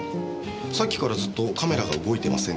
さっきからずっとカメラが動いてませんが。